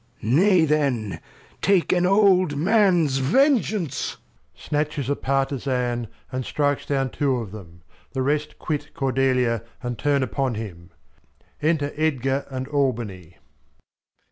Nay, then take an old Man's Vengeance. Snatches a Partizan, and strikes down Two of them ; the Rest quit Cordelia, and turn upon him. Enter Edgar and Albany.